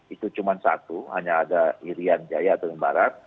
itu cuma satu hanya ada irian jaya atau imbarat